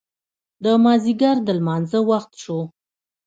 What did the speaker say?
د مازدیګر د لمانځه وخت شو.